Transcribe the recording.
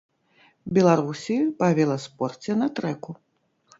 Беларусі па веласпорце на трэку.